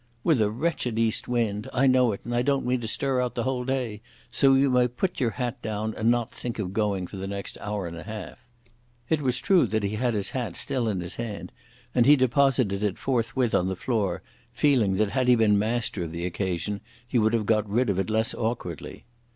"With a wretched east wind. I know it, and I don't mean to stir out the whole day. So you may put your hat down, and not think of going for the next hour and a half." It was true that he had his hat still in his hand, and he deposited it forthwith on the floor, feeling that had he been master of the occasion, he would have got rid of it less awkwardly.